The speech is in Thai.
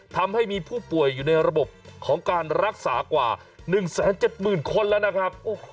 ทำให้มีผู้ป่วยอยู่ในระบบของการรักษากว่า๑๗๐๐คนแล้วนะครับ